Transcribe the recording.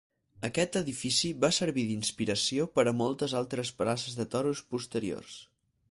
Aquest edifici va servir d'inspiració per a moltes altres places de toros posteriors.